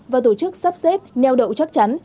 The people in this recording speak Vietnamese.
và tổ chức sắp xếp neo đậu chắc chắn